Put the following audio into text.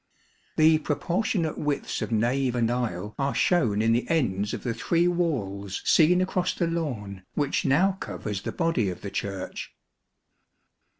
The proportionate widths of nave and aisle are shown in the ends of the three walls seen across the lawn, which now covers the body of the Church.